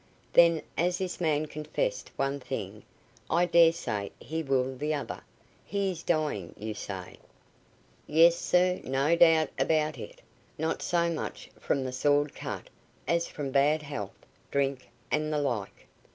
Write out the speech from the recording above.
"Then as this man confessed one thing, I dare say he will the other. He is dying, you say?" "Yes, sir, no doubt about it; not so much from the sword cut, as from bad health drink, and the like."